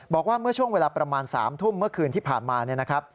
บอกว่าเมื่อช่วงเวลาประมาณ๓ทุ่มเมื่อคืนที่ผ่านมาเนี่ยนะครับ